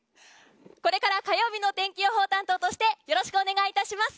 これから火曜日の天気予報担当としてよろしくお願いいたします。